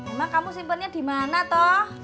emang kamu simpannya di mana toh